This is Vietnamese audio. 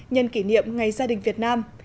nhân kỷ niệm ngày gia đình việt nam